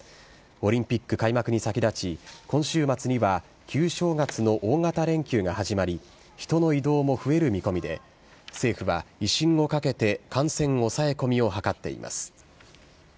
オリンピック開幕に先立ち、今週末には旧正月の大型連休が始まり、人の移動も増える見込みで、政府は威信をかけて感染抑え込みを図っています。